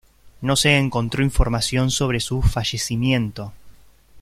No se encontró información sobre su fallecimiento.